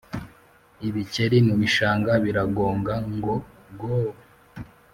Ibikeri mu bishanga biragonga ngo go